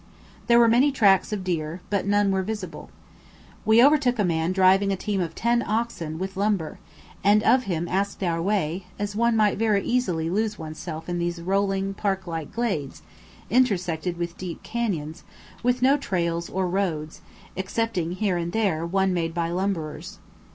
There were many tracks of deer, but none were visible. We overtook a man driving a team of ten oxen with lumber, and of him asked our way, as one might very easily lose oneself in these rolling park like glades, intersected with deep canyons, with no trails or roads, excepting here and there one made by lumberers.